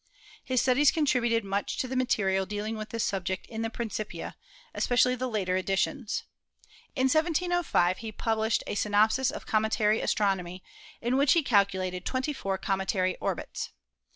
His studies contributed much to the material dealing with this subject in the Principia, especially the later editions. In 1705 he published a Synopsis of Comet ary Astronomy, in which he calculated 24 cometary orbits.